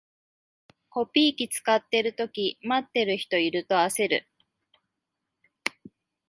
コピー機使ってるとき、待ってる人いると焦る